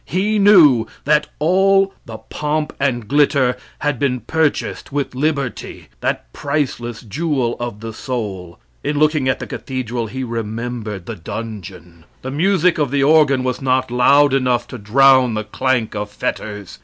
He knew that all the pomp and glitter had been purchased with liberty, that priceless jewel of the soul. In looking at the cathedral he remembered the dungeon. The music of the organ was not loud enough to drown the clank of fetters.